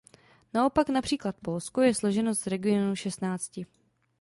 Naopak například Polsko je složeno z regionů šestnácti.